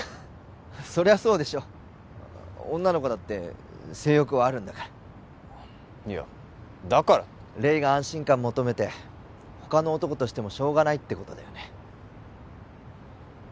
そりゃそうでしょ女の子だって性欲はあるんだからいやだからって黎が安心感求めて他の男とシてもしょうがないってことだよね？